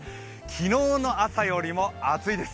昨日の朝よりも暑いです。